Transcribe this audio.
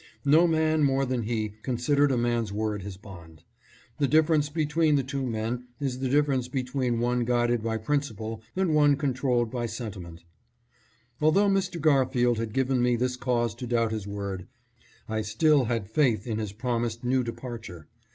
No man more than he considered a man's word his bond. The difference between the two men is the difference between one guided by principle and one controlled by sentiment. Although Mr. Garfield had given me this cause to doubt his word, I still had faith in his promised new departure.